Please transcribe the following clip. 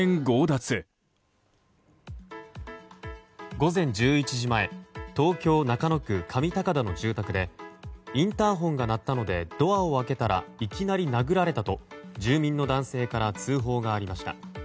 午前１１時前東京・中野区上高田の住宅でインターホンが鳴ったのでドアを開けたらいきなり殴られたと住民の男性から通報がありました。